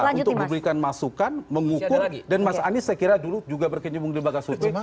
jadi kan data untuk memberikan masukan mengukur dan mas anies saya kira dulu juga berkenyumbung di bagas survei